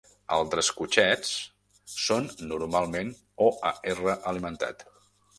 Altres cotxets són normalment OAR alimentat.